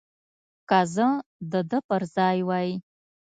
که زه د ده پر ځای وای.